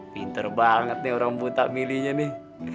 pinter banget nih orang buta milihnya nih